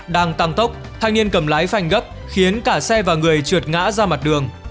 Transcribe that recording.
đang tăng tốc thanh niên cầm lái phanh gấp khiến cả xe và người trượt ngã ra mặt đường